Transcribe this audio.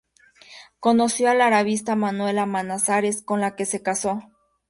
Conoció a la arabista Manuela Manzanares, con la que se casó.